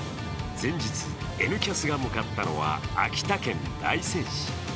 前日、「Ｎキャス」が向かったのは秋田県大仙市。